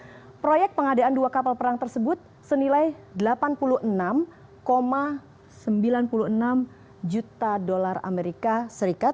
pertama proyek pengadaan dua kapal perang tersebut senilai delapan puluh enam sembilan puluh enam juta dolar amerika serikat